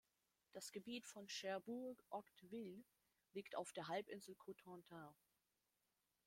Das Gebiet von Cherbourg-Octeville liegt auf der Halbinsel Cotentin.